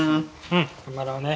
頑張ろうね。